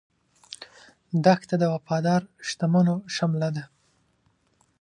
دښته د وفادار شتمنو شمله ده.